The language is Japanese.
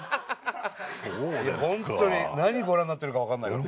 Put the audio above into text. ホントに何ご覧になってるか分かんないから。